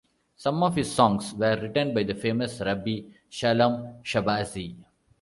Some of his songs were written by the famous Rabbi Shalom Shabazi.